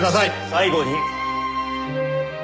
最後に。